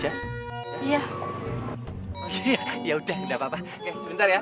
ya ya udah enggak papa sebentar ya